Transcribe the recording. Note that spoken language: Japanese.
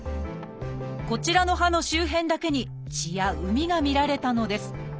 こちらの歯の周辺だけに血や膿が見られたのです。